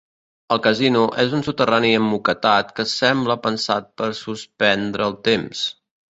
El casino és un soterrani emmoquetat que sembla pensat per suspendre el temps.